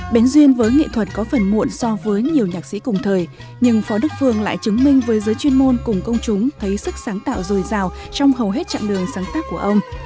bến duyên với nghệ thuật có phần muộn so với nhiều nhạc sĩ cùng thời nhưng phó đức phương lại chứng minh với giới chuyên môn cùng công chúng thấy sức sáng tạo dồi dào trong hầu hết trạng đường sáng tác của ông